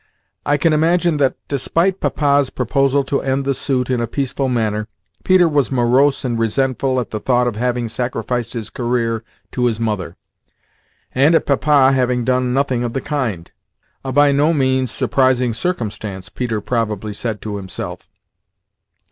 I can imagine that, despite Papa's proposal to end the suit in a peaceful manner, Peter was morose and resentful at the thought of having sacrificed his career to his mother, and at Papa having done nothing of the kind a by no means surprising circumstance, Peter probably said to himself.